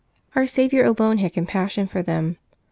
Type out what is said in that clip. Our Saviour alone had compassion for them.